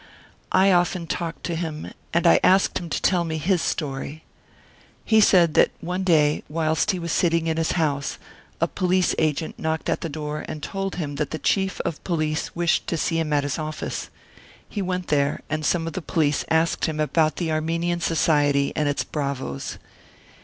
I often talked to him, and I asked him to tell me his story. He said that one day, whilst he was sitting in his house, a police agent knocked at the door and told him that the Chief of Police wished to see him at his office. He went there, and some of the police asked him about the Armenian Society and its bravoes.